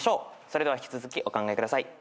それでは引き続きお考えください。